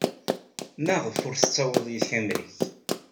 Maɣef ur tettawyeḍ yid-k amrig?